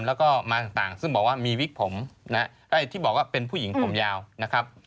แล้วก็มาต่างซึ่งบอกว่ามีวิกผมนะฮะที่บอกว่าเป็นผู้หญิงผมยาวนะครับ